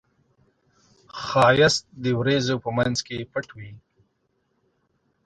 ښایست د وریځو په منځ کې پټ وي